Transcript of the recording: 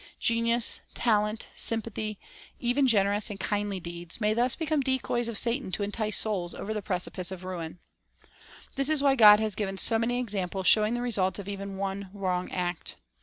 Genius, talent, sympathy, even generous Decoys of anc i kindly deeds, may thus become decoys of Satan to the Tempter . J J J entice souls over the precipice of ruin. This is why God has given so many examples showing the results of even one wrong act.